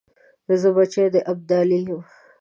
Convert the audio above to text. زه بچی د ابدالي یم .